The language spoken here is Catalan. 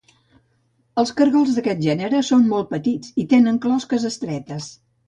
Els cargols d'aquest gènere són molt petits i tenen closques estretes.